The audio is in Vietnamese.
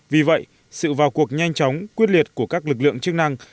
vì vậy sự vào cuộc nhanh chóng quyết liệt của các lực lượng chức năng